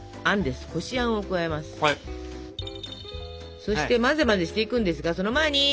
そして混ぜ混ぜしていくんですがその前に。